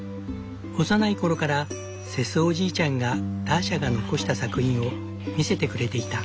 幼い頃からセスおじいちゃんがターシャが残した作品を見せてくれていた。